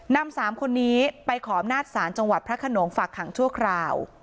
นำ๓คนนี้ไปขออำนาจศาลจังหวัดพระขนงฝากขังชั่วคราว